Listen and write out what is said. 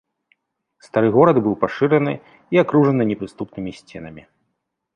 Стары горад быў пашыраны і акружаны непрыступнымі сценамі.